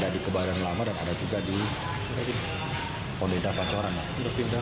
di kebadan lama dan ada juga di pondok indah pancoran